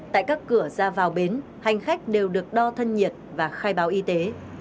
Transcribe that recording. tại các cửa ra vào bến hành khách đều được đo thân nhiệt và khai báo y tế